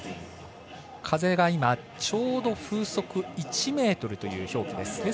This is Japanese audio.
風が今ちょうど風速１メートルという表示です。